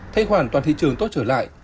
thanh khoản toàn thị trường tốt trở lại